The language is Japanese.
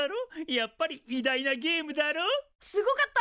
やっぱり偉大なゲームだろう？すごかった！